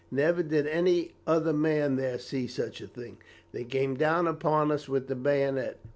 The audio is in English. Never did any other man there see such a thing. They came down upon us with the bayonet.